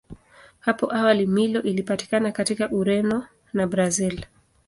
Hapo awali Milo ilipatikana katika Ureno na Brazili.